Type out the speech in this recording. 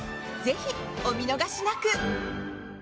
ぜひお見逃しなく！